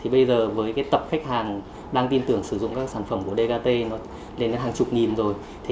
bây giờ với tập khách hàng đang tin tưởng sử dụng các sản phẩm của dkt lên hàng chục nghìn rồi